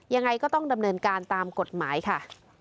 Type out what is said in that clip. ยังไงก็ต้องดำเนินการตามกฎหมายค่ะ